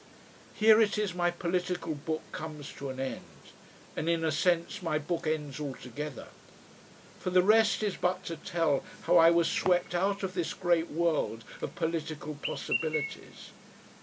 Here it is my political book comes to an end, and in a sense my book ends altogether. For the rest is but to tell how I was swept out of this great world of political possibilities.